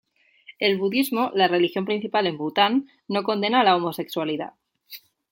El budismo, la religión principal en Bután, no condena la homosexualidad.